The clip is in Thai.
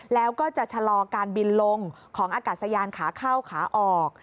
แล้วก็จะชะลอการบินลงของอากาศยานขาเข้าขาออก